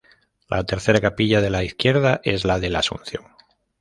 La tercera capilla de la izquierda es la de la Asunción.